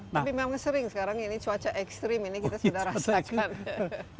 tapi memang sering sekarang ini cuaca ekstrim ini kita sudah rasakan